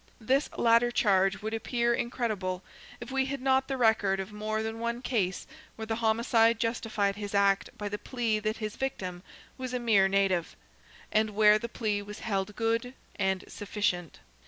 This latter charge would appear incredible, if we had not the record of more than one case where the homicide justified his act by the plea that his victim was a mere native, and where the plea was held good and sufficient.